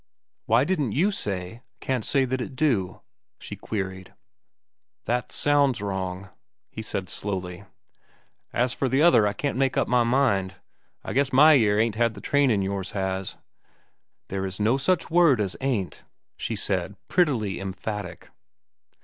"Why didn't you say, 'Can't say that it do'?" she queried. "That sounds wrong," he said slowly. "As for the other I can't make up my mind. I guess my ear ain't had the trainin' yours has." "There is no such word as 'ain't,'" she said, prettily emphatic.